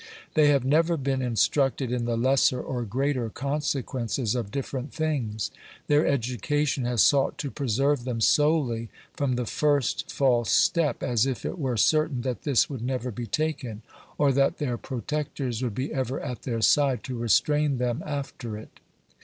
They have never been instructed in the lesser or greater conse quences of different things. Their education has sought to preserve them solely from the first false step, as if it were certain that this would never be taken, or that their pro tectors would be ever at their side to restrain them after it.